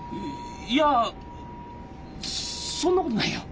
いやそんなことないよ。